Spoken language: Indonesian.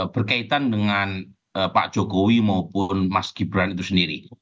berkaitan dengan pak jokowi maupun mas gibran itu sendiri